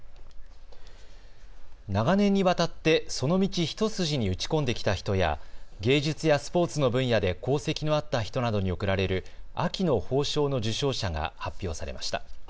長年にわたってその道一筋に打ち込んできた人や芸術やスポーツの分野で功績のあった人などに贈られる秋の褒章の受章者が発表されました。